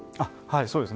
そうです。